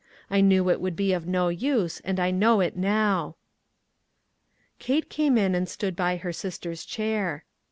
I knew it would be of no use, and I know it now." Kate came and stood • by her sister's chair.